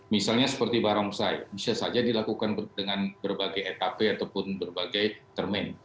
misalnya seperti barang saik bisa saja dilakukan dengan berbagai etape ataupun berbagai termen